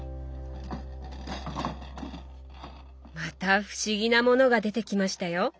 また不思議なものが出てきましたよ。